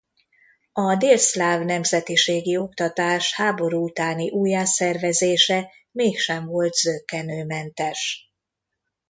A délszláv nemzetiségi oktatás háború utáni újjászervezése mégsem volt zökkenőmentes.